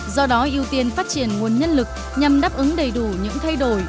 do đó ưu tiên phát triển nguồn nhân lực nhằm đáp ứng đầy đủ những thay đổi